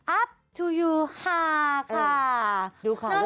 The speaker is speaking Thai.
อาบตู่ยูฮาค่ะ